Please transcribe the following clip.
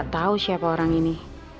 soalnya aku gak tau siapa orang ini